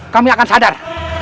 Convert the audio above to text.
kami akan sadar